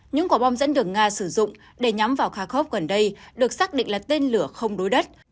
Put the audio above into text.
những quả bom dẫn được nga sử dụng để nhắm vào kharkov gần đây được xác định là tên lửa không đối đất